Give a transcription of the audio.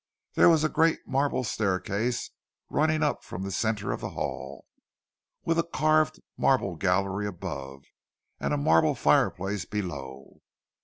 There was a great marble staircase running up from the centre of the hall, with a carved marble gallery above, and a marble fireplace below.